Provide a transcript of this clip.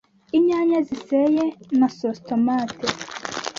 Inyanya ziseye na Sauce tomate